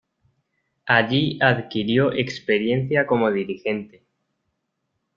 Allí adquirió experiencia como dirigente.